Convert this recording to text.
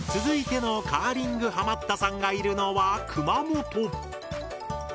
続いてのカーリングハマったさんがいるのは熊本！